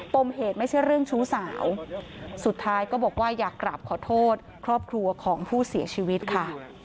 มเหตุไม่ใช่เรื่องชู้สาวสุดท้ายก็บอกว่าอยากกลับขอโทษครอบครัวของผู้เสียชีวิตค่ะ